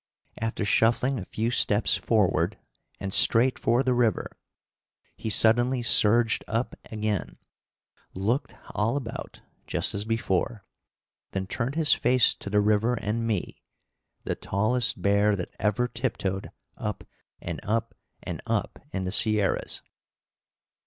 After shuffling a few steps forward and straight for the river, he suddenly surged up again, looked all about, just as before, then turned his face to the river and me, the tallest bear that ever tiptoed up and up and up in the Sierras.